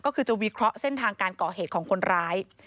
ก็คือจะวิเคราะห์เส้นทางการก่อเหตุของคนร้าย